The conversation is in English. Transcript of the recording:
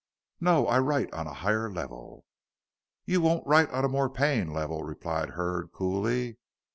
"No. I write on a higher level." "You won't write on a more paying level," replied Hurd, coolly.